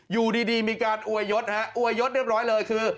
อยู่ดีมีการอวยยศฮะอวยยศเรียบร้อยเลยคือ